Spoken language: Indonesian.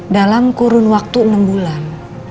dalam kurun waktu enam bulan